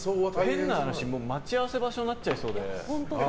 変な話、待ち合わせ場所になっちゃいそうで。